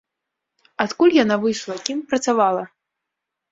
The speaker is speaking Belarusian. Адкуль яна выйшла, кім працавала?